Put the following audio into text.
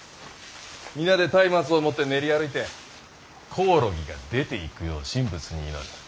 皆で松明を持って練り歩いてコオロギが出ていくよう神仏に祈る。